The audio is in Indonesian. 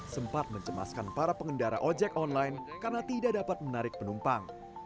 sempat mencemaskan para pengendara ojek online karena tidak dapat menarik penumpang